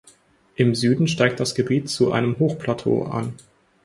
Im Süden steigt das Gebiet zu einem Hochplateau an.